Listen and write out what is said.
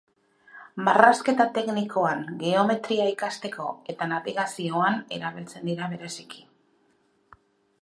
Marrazketa teknikoan, geometria ikasteko eta nabigazioan erabiltzen dira bereziki.